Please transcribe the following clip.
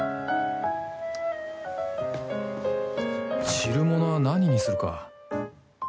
汁物は何にするか